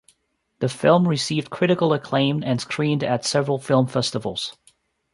The film received critical acclaim and screened at several film festivals.